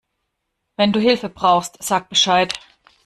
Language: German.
Wenn du Hilfe brauchst, sag Bescheid.